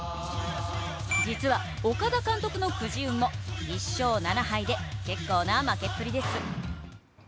実は岡田監督のくじ運も１勝７敗で結構な負けっぷりです。